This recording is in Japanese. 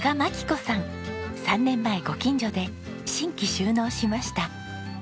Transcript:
３年前ご近所で新規就農しました。